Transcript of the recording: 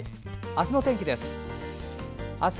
あすの天気です。